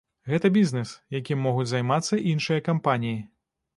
Гэта бізнес, якім могуць займацца іншыя кампаніі.